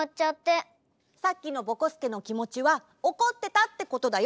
さっきのぼこすけのきもちはおこってたってことだよ！